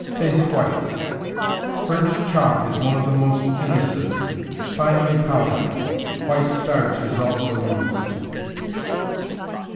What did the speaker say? Face Whites. French chalk is one of the most innocent; finely powdered. White starch is also used.